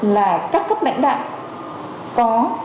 là các cấp mạnh đạo